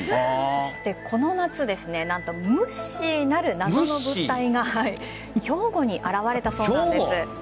そして、この夏何とムッシーなる謎の物体が兵庫に現れたそうなんです。